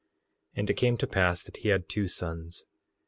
3:21 And it came to pass that he had two sons.